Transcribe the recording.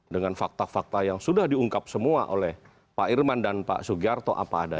dengan fakta fakta yang sudah diungkap semua oleh pak irman dan pak sugiarto apa ada